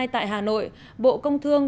tại hà nội bộ công thương